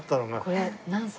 これ何歳？